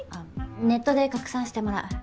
ネットで拡散してもらう。